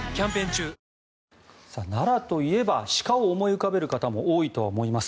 奈良といえば鹿を思い浮かべる方も多いと思います。